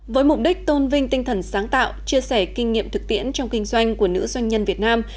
với mục đích tôn vinh tinh thần sáng tạo chia sẻ kinh nghiệm thực tiễn trong kinh doanh của nữ doanh nhân việt nam